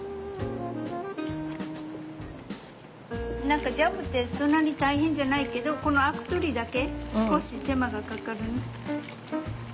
何かジャムってそんなに大変じゃないけどこのアク取りだけ少し手間がかかるね。